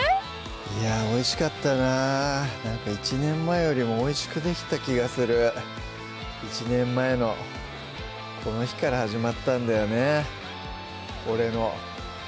いやおいしかったななんか１年前よりもおいしくできた気がする１年前のこの日から始まったんだよね